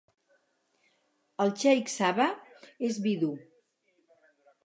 El xeic Sabah és vidu.